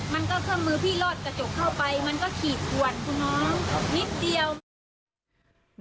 มันก็ขี่ปวดคุณน้องนิดเดียว